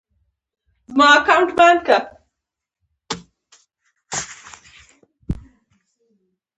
دځنګل حاصلات د افغانستان د بڼوالۍ یوه مهمه برخه ده.